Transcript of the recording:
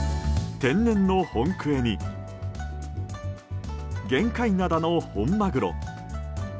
天然の本クエに玄界灘の本マグロ。